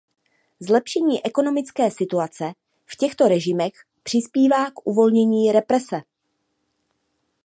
Zlepšení ekonomické situace v těchto režimech přispívá k uvolnění represe.